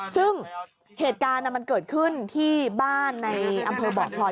ซึ่งเหตุการณ์มันเกิดขึ้นที่บ้านในอำเภอบ่อพลอย